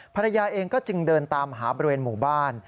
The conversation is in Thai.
ภรรยาเองก็จึงเดินตามหาบริเวณหมู่บ้าน